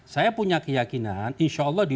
saya punya keyakinan insya allah di dua ribu delapan belas